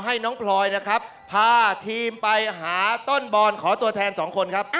ไม่ค่ะคือให้เลือก